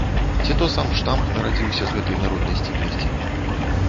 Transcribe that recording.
Ці то сам штамп нарадзіўся з гэтай народнай сціпласці.